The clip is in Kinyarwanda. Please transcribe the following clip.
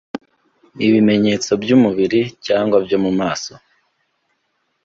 ibimenyetso by’umubiri cyangwa byo mu maso